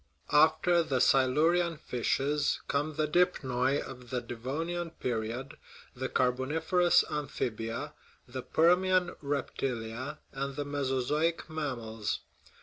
After the Silurian fishes come the dipnoi of the Devon ian period the Carboniferous amphibia, the Permian reptilia, and the Mesozoic mammals.